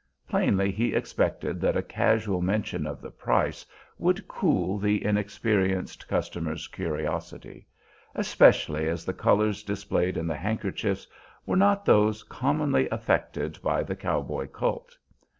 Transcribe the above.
Plainly he expected that a casual mention of the price would cool the inexperienced customer's curiosity, especially as the colors displayed in the handkerchiefs were not those commonly affected by the cow boy cult.